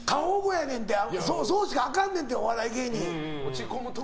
そうしなあかんねん、お笑い芸人って。